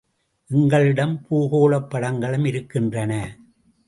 எங்களிடம் பூகோளப்படங்களும் இருக்கின்றன.